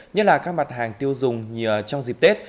nhất là các mặt hàng tiêu dùng trong dịp tết